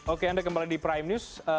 oke anda kembali di prime news